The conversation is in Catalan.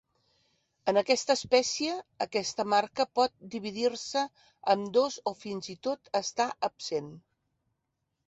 En aquesta espècie, aquesta marca pot dividir-se en dos o fins i tot estar absent.